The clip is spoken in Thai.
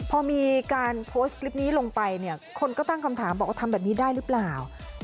พอมีการโพสต์คลิปนี้ลงไปเนี่ยคนก็ตั้งคำถามบอกว่าทำแบบนี้ได้หรือเปล่า